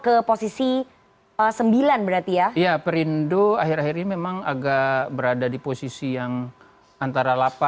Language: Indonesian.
ke posisi sembilan berarti ya perindo akhir akhir ini memang agak berada di posisi yang antara delapan